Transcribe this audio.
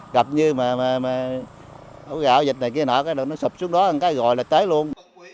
gặp như mà ổ gạo dịch này kia nọ nó sụp xuống đó ăn cái gọi là tới luôn